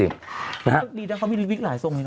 ดีนางเขามีวิ๊กหลายทรงอย่างนั้น